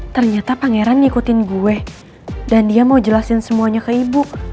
ternyata pangeran ngikutin gue dan dia mau jelasin semuanya ke ibu